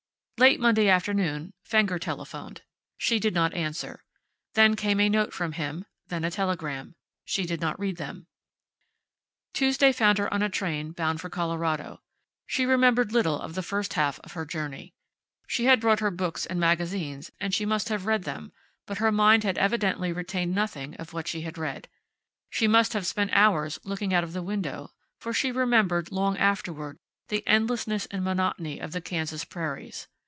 Late Monday afternoon Fenger telephoned. She did not answer. There came a note from him, then a telegram. She did not read them. Tuesday found her on a train bound for Colorado. She remembered little of the first half of her journey. She had brought with her books and magazines, and she must have read hem, but her mind had evidently retained nothing of what she had read. She must have spent hours looking out of the window, for she remembered, long afterward, the endlessness and the monotony of the Kansas prairies.